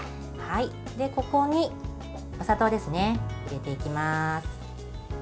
ここにお砂糖ですね入れていきます。